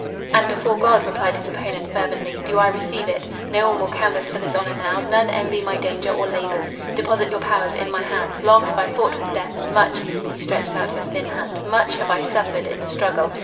"And before God," replied his opponent, fervently, "do I receive it! No one will canvass for this honour now—none envy my danger or labours. Deposit your powers in my hands. Long have I fought with death, and much" (he stretched out his thin hand) "much have I suffered in the struggle.